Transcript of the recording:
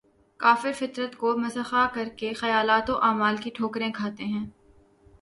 کافر فطرت کو مسخ کر کے خیالات و اعمال کی ٹھوکریں کھاتے ہیں